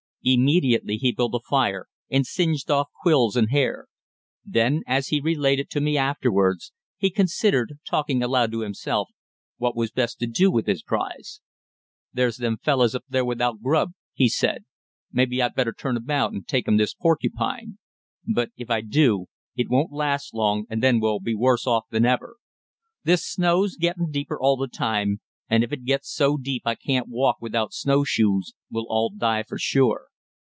Immediately he built a fire, and singed off quills and hair. Then, as he related to me afterwards, he considered, talking aloud to himself, what was best to do with his prize. "There's them fellus up there without grub," he said. "Maybe I'd better turn about and take 'em this porcupine. But if I do, it won't last long, and then we'll be worse off than ever. This snow's gettin' deeper all the time, and if it gets so deep I can't walk without snowshoes, we'll all die for sure.